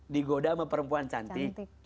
digoda sama perempuan cantik